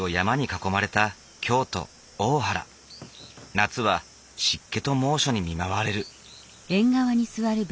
夏は湿気と猛暑に見舞われる。